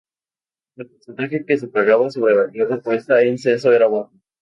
El porcentaje que se pagaba sobre la tierra puesta en censo era bajo.